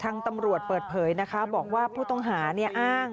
ตำรวจเปิดเผยนะคะบอกว่าผู้ต้องหาอ้าง